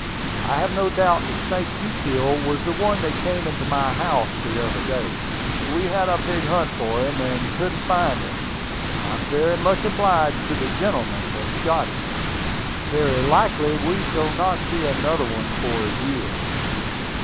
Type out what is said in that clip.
I have no doubt the snake you killed was the one that came into my house the other day. We had a big hunt for him, and couldn't find him; and I am very much obliged to the gentleman that shot him. Very likely we shall not see another one for a year."